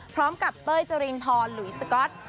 พร้อมกับเต้ยเจอรีนพอร์หรือสก๊อต